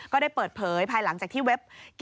ก็ได้เปิดเผยภายหลังจากที่เว็บ